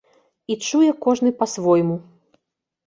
І чуе кожны па-свойму.